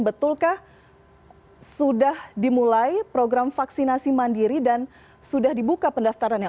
betulkah sudah dimulai program vaksinasi mandiri dan sudah dibuka pendaftarannya